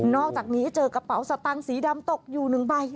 อกจากนี้เจอกระเป๋าสตางค์สีดำตกอยู่๑ใบ